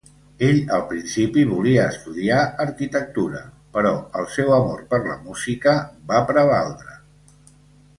Ell, al principi, volia estudiar arquitectura, però el seu amor per la música va prevaldre.